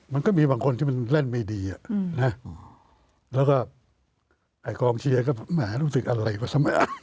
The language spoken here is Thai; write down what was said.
มันก็มีบางคนที่มันเล่นไม่ดีแล้วก็ไอ้กองเชียร์ก็แหมรู้สึกอะไรวะทำไม